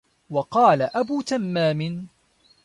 وَقَالَ أَبُو تَمَّامٍ